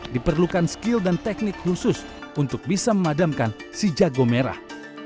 diperlukan skill dan teknik khusus untuk bisa memadamkan si jago merah